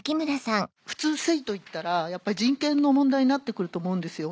普通「性」と言ったら人権の問題になって来ると思うんですよ。